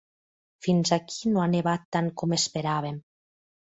Fins aquí no ha nevat tant com esperàvem.